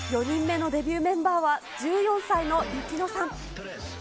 ４人目のデビューメンバーは１４歳のユキノさん。